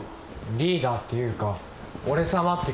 リーダーっていうか俺様って感じ。